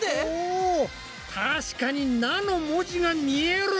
お確かに「ナ」の文字が見える！